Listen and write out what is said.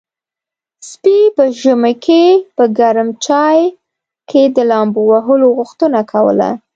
سپي په ژمي کې په ګرم چای کې د لامبو وهلو غوښتنه کوله.